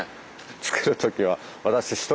作る時はえ⁉